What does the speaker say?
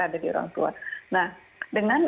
ada di orang tua nah dengan